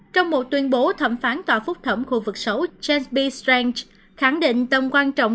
trong một tuyên bố thẩm phán tòa phúc thẩm khu vực sáu james b strange khẳng định tầm quan trọng